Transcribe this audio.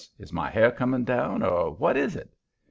Is my hair coming down, or what is it?"